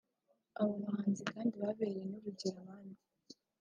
Aba bahinzi kandi babereye n’urugero abandi